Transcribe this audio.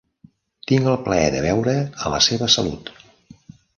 Tinc el plaer de beure a la seva salut.